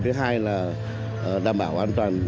thứ hai là đảm bảo an toàn